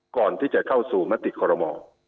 ก่อนที่จะเข้าสู่มติคอรมอ